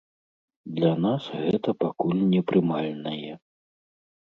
Для нас гэта пакуль непрымальнае.